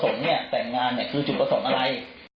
จุดผสมเนี่ยแต่งงานเนี่ยคือจุดผสมอะไร